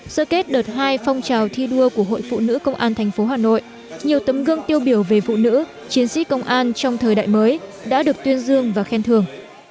các nữ chiến sĩ công an thành phố hà nội muốn gửi đến toàn thể nữ chiến sĩ công an